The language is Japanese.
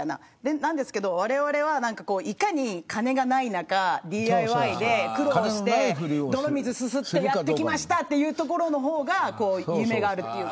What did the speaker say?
なんですけどわれわれはいかに金がない中、ＤＩＹで泥水すすってやってきましたという方が夢があるというか。